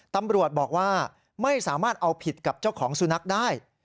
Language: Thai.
ตำรวจบอกว่าไม่สามารถเอาผิดกับเจ้าของสุนัขได้